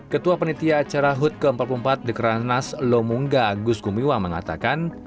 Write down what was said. ketua penelitian acara hut ke empat puluh empat di keranas lomungga agus gumiwa mengatakan